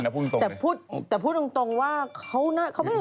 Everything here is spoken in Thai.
สะหน่า